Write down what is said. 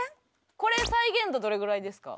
これ再現度どれぐらいですか？